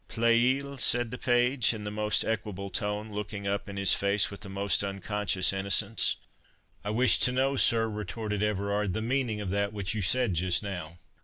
"Plait il?" said the page, in the most equable tone, looking up in his face with the most unconscious innocence. "I wish to know, sir," retorted Everard, "the meaning of that which you said just now?"